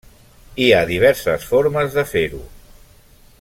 Hi ha diverses formes de fer-ho.